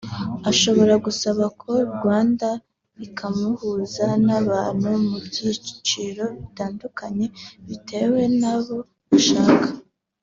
ashobora gusaba Call Rwanda ikamuhuza n’abantu mu byiciro bitandukanye bitewe n’abo ashaka